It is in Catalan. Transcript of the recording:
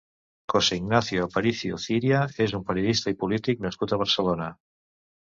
José Ignacio Aparicio Ciria és un periodista i polític nascut a Barcelona.